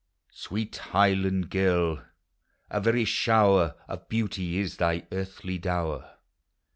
Sweet Highland Girl, a very shower Of beauty is thy earthly dower!